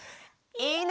いいね！